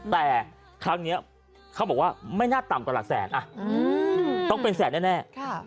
แต่ครั้งนี้เขาบอกว่าไม่น่าต่ำกว่าหลักแสนต้องเป็นแสนแน่